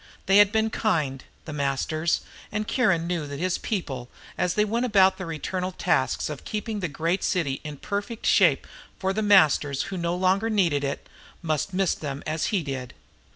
They had been kind, The Masters, and Kiron knew that his people, as they went about their eternal tasks of keeping the great city in perfect shape for The Masters who no longer needed it, must miss them as he did.